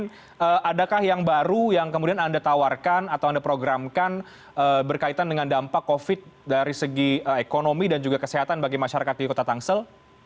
sebagai petahana ini pak benyamin adakah yang baru yang kemudian anda tawarkan atau anda programkan berkaitan dengan dampak covid sembilan belas dari segi ekonomi dan juga kesehatan bagi masyarakat di kota tangsel